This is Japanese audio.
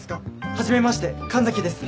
初めまして神崎です。